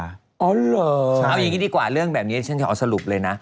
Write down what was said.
อ๋อเหรอเอาอย่างนี้ดีกว่าเรื่องแบบนี้ฉันขอสรุปเลยนะ